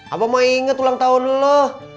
abang mau inget ulang tahun lu